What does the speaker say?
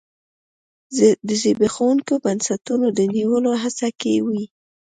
د زبېښونکو بنسټونو د نیولو هڅه کې وي.